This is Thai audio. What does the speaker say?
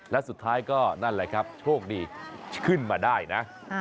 และสุดท้ายก็นั่นแหละครับโชคดีขึ้นมาได้นะ